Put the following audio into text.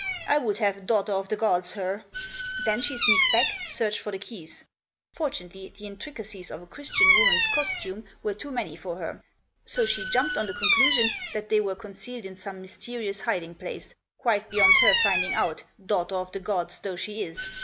I'd have daughter of the gods her ! Then she sneaked back, searched for the keys; fortunately, the intricacies of a Christian woman's costume were too many for her. So she jumped to the Conclusion that they were concealed in some mysterious hiding place, quite beyond her finding out, daughter of the gods though she is.